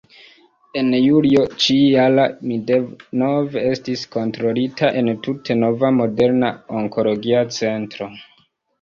En julio ĉi-jara mi denove estis kontrolita en tute nova moderna onkologia centro.